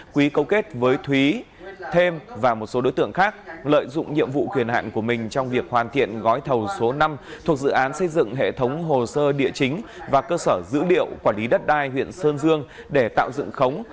quý cấu kết với thúy thêm và một số đối tượng khác lợi dụng nhiệm vụ quyền hạn của mình trong việc hoàn thiện gói thầu số năm thuộc dự án xây dựng hệ thống hồ sơ địa chính và cơ sở dữ liệu quản lý đất đai huyện sơn dương để tạo dựng khống